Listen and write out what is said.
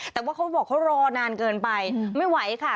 แต่ว่าเขาบอกเขารอนานเกินไปไม่ไหวค่ะ